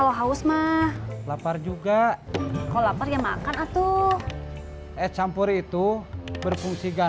l stron ya bales kepala